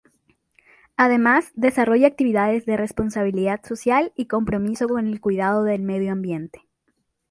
Además, desarrolla actividades de responsabilidad social y compromiso con el cuidado del medio ambiente.